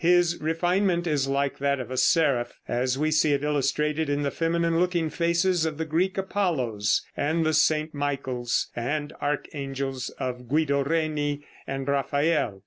His refinement is like that of a seraph, as we see it illustrated in the feminine looking faces of the Greek Apollos, and the St. Michaels and archangels of Guido Reni and Raphael.